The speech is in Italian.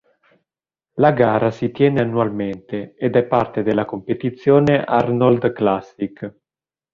La gara si tiene annualmente ed è parte della competizione Arnold Classic.